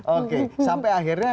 oke sampai akhirnya